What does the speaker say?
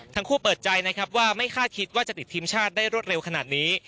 ทั้งคู่เปิดใจนะครับว่าไม่คาดคิดว่าจะติดทีมชาติได้รวดเร็วขนาดนี้